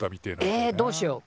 えどうしよう？